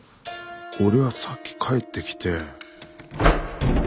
俺はさっき帰ってきて。